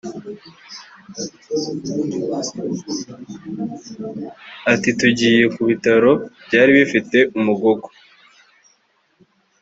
Ati “Tugiye ku bitaro byari bifite Umugogo